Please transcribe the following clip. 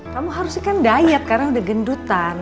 kamu harusnya kan diet karena udah gendutan